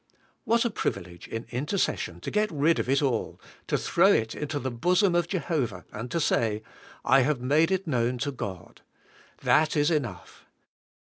What a privilege in intercession to get rid of it all, and throw it into the bosom of Jehovah, and to say, I have made it known to God. That is enough.